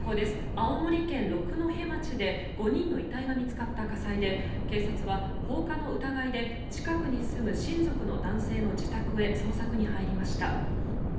青森県六戸町で５人の遺体が見つかった火災で警察は、放火の疑いで近くに住む親族の男性の自宅へ捜索へ入りました。